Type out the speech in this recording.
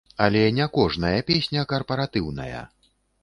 Але не кожная песня карпаратыўная.